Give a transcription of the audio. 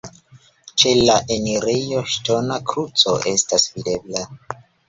Ĉe la enirejo ŝtona kruco estas videbla.